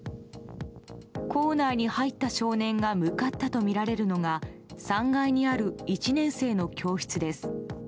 校内に入った少年が向かったとみられるのが３階にある１年生の教室です。